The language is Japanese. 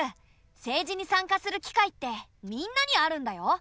政治に参加する機会ってみんなにあるんだよ。